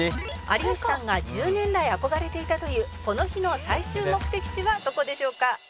「有吉さんが１０年来憧れていたというこの日の最終目的地はどこでしょうか？」